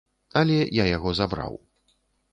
Але я яго забраў.